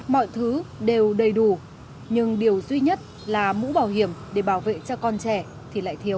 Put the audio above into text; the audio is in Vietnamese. mọi thứ đều đầy đủ nhưng điều duy nhất là mũ bảo hiểm để bảo vệ cho con trẻ thì lại thiếu